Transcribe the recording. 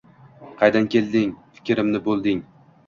Qaydan kelding, fikrimni bo’lding